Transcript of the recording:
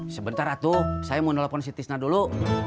sebentar ratu saya mau nelfon si tisna dulu